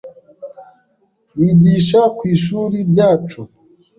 Yigisha ku ishuri ryacu.